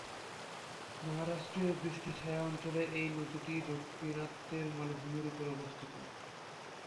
মহারাষ্ট্রের বৃষ্টি ছায়া অঞ্চলে এই নদীটি দাক্ষিণাত্যের মালভূমির উপর অবস্থিত।